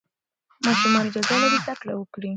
ماشومان اجازه لري زده کړه وکړي.